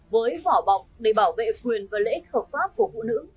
với vỏ bọc để bảo vệ quyền và lợi ích hợp pháp của phụ nữ